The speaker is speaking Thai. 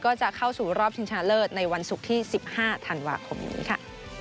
ก็จะเข้าสู่รอบชิงชนะเลิศในวันศุกร์ที่๑๕ธันวาคมนี้ค่ะ